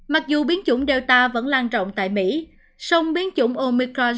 mặc dù biến chủng delta vẫn lan rộng tại mỹ sông biến chủng omicron